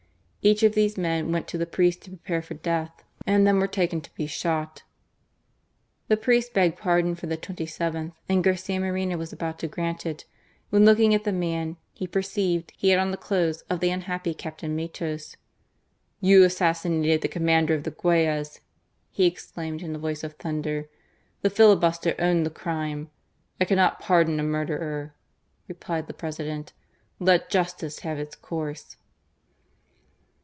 Each of these men went to the priest to prepare for death and then were taken to be shot. The priest begged pardon for the twenty seventh, and Garcia was about to grant it, when, looking at the man, he perceived he had on the clothes of the unhappy Captain Matos. "You assassinated the commander of the Guayas !" he exclaimed in a voice of thunder. The filibuster owned the crime. " I cannot pardon a murderer," replied the Presi dent. " Let justice have its course."